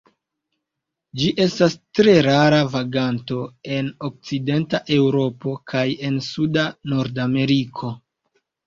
Ĝi estas tre rara vaganto en okcidenta Eŭropo kaj en suda Nordameriko.